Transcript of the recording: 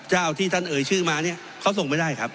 เจ้าที่ท่านเอ่ยชื่อมาเนี่ยเขาส่งไม่ได้ครับ